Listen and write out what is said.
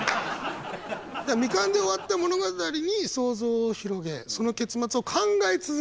未完で終わった物語に想像を広げその結末を考え続ける。